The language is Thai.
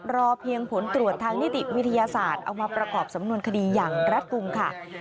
รอเพียงผลตรวจทางนิติวิทยาศาสตร์เอามาประกอบสำนวนคดีอย่างรัฐกลุ่มค่ะ